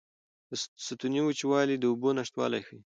د ستوني وچوالی د اوبو نشتوالی ښيي.